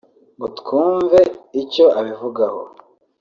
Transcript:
ngo twumve icyo abivugaho